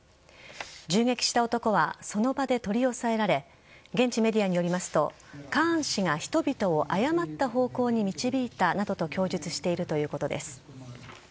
銃撃した男はその場で取り押さえられ現地メディアによりますとカーン氏が人々を誤った方向に導いたなどと供述しているということです。